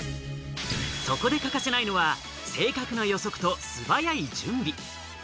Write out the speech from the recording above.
そこで欠かせないのが正確な予測と素早い準備。